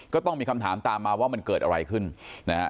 ก็ต้องมีคำถามตามมาว่ามันเกิดอะไรขึ้นนะฮะ